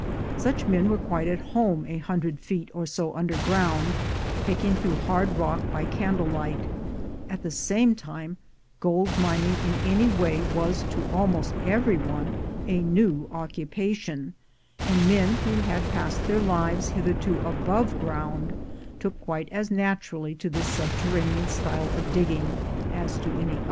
Such men were quite at home a hundred feet or so under ground, picking through hard rock by candle light; at the same time, gold mining in any way was to almost every one a new occupation, and men who had passed their lives hitherto above ground, took quite as naturally to this subterranean style of dig ging as to any other.